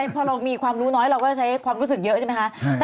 พอเรามีความรู้น้อยเราก็ใช้ความรู้สึกเยอะใช่ไหมคะ